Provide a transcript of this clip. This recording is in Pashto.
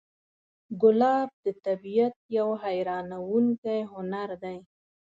ګلاب د طبیعت یو حیرانوونکی هنر دی.